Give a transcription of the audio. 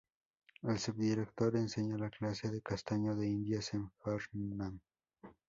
El subdirector enseña la clase de Castaño de Indias en Farnham.